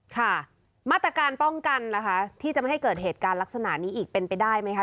ค่ะมาตรการป้องกันนะคะที่จะไม่ให้เกิดเหตุการณ์ลักษณะนี้อีกเป็นไปได้ไหมคะ